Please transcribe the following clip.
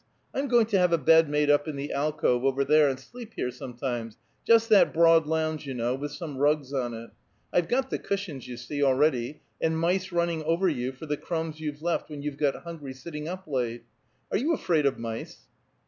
I'm going to have a bed made up in the alcove, over there, and sleep here, sometimes: just that broad lounge, you know, with some rugs on it I've got the cushions, you see, already and mice running over you, for the crumbs you've left when you've got hungry sitting up late. Are you afraid of mice?"